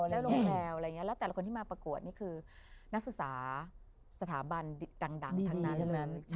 แล้วแต่ละคนที่มาประกวดนี่คือนักศึกษาสถาบันดังทั้งนั้น